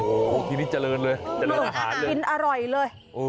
โอ้โหทีนี้เจริญเลยเจริญอาหารกินอร่อยเลย